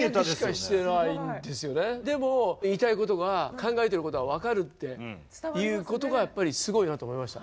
でも言いたいことが考えてることが分かるっていうことがすごいなと思いました。